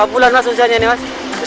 lima bulan mas usianya ini mas